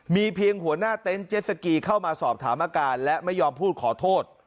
มีเพียงหัวหน้าเต็นต์เจ็ดสกีเข้ามาสอบถามอาการและไม่ยอมพูดขอโทษ